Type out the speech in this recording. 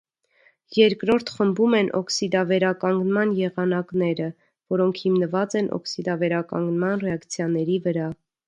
Երկրորդ խմբում են օքսիդավերականգնման եղանակները, որոնք հիմնված են օքսիդավերականգնման ռեակցիաների վրա։